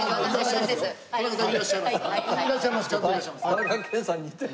田中健さんに似てる。